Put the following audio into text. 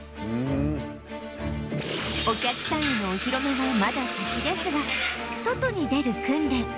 お客さんへのお披露目はまだ先ですが外に出る訓練